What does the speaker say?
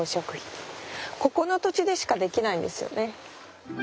ここの土地でしかできないんですよね。